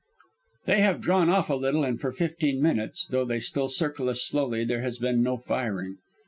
"They have drawn off a little and for fifteen minutes, though they still circle us slowly, there has been no firing.